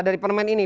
dari permainan ini